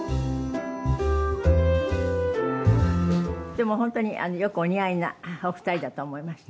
でも本当によくお似合いなお二人だと思いました。